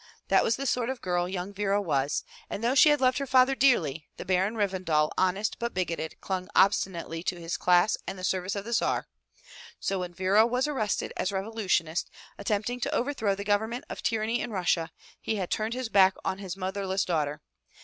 That was the sort of girl young Vera was, and though she had loved her father dearly, the Baron Revendal, honest but bigoted, clung obstinately to his class and the service of the Tsar. So when Vera was arrested as a revolutionist, attempting to overthrow the government of tyranny in Russia, he had turned his back on his motherless daughter.